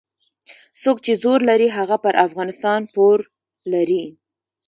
څوک چې زور لري هغه پر افغانستان پور لري.